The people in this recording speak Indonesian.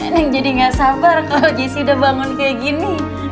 neng jadi nggak sabar kalau jesse udah bangun kayak gini